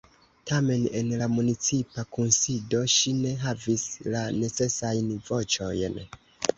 Tamen en la municipa kunsido ŝi ne havis la necesajn voĉojn.